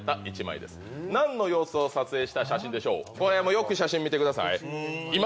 よく写真見てください。